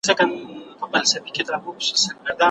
پرلپسې عفونتونه رامنځته کېږي.